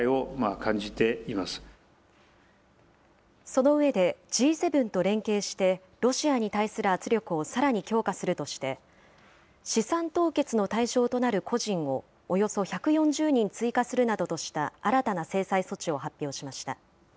その上で、Ｇ７と連携して、ロシアに対する圧力をさらに強化するとして、資産凍結の対象となる個人をおよそ１４０人追加するなどとした新たな制裁措置を発表しました。